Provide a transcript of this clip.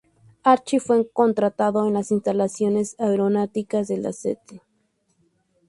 Archie fue contratado en las instalaciones aeronáuticas de St.